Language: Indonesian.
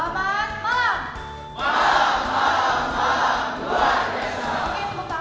malam malam malam bulan besok